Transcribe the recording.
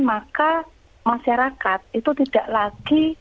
maka masyarakat itu tidak lagi